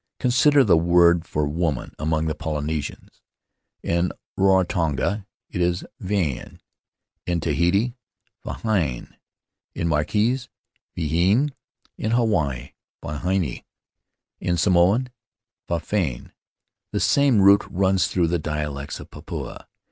Consider the word for woman among the Polynesians. In Rarotonga, it is vaine; in Tahiti, v dldne; in the Marquesas, vehine; in Hawaii, wahine; in Samoa, fafine. The same root runs through the dialects of Papua.